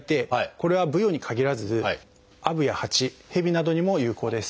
これはブヨに限らずアブやハチヘビなどにも有効です。